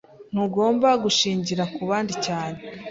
[S] Ntugomba gushingira kubandi cyane.